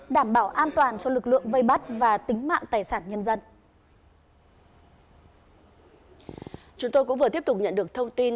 đảm bảo an toàn cho lực lượng vây bắt và tính mạng tài sản nhân dân